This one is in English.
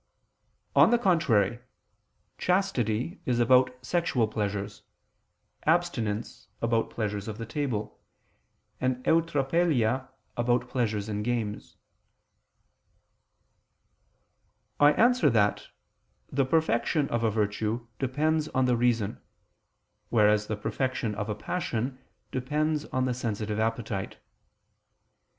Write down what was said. On the contrary, Chastity is about sexual pleasures, abstinence about pleasures of the table, and eutrapelia about pleasures in games. I answer that, The perfection of a virtue depends on the reason; whereas the perfection of a passion depends on the sensitive appetite.